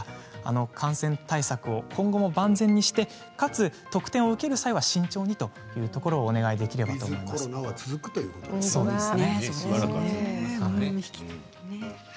感染対策を今後も万全にしてかつ特典を受ける際は慎重にというところをこのあともまだしばらくは続くということですね。